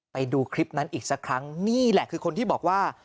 ไปดูคลิปนั้นอีกสักครั้งนี่แหละคือคนที่บอกว่า